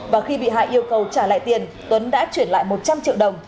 và khi bị hại yêu cầu trả lại tiền tuấn đã chuyển lại một trăm linh triệu đồng